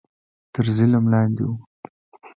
تر ظلم لاندې وو